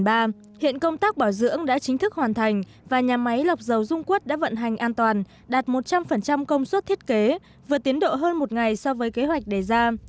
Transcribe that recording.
hiện công tác bảo dưỡng đã chính thức hoàn thành và nhà máy lọc dầu dung quất đã vận hành an toàn đạt một trăm linh công suất thiết kế vượt tiến độ hơn một ngày so với kế hoạch đề ra